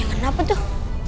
yang kenapa tuh